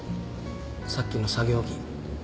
さっきの作業着。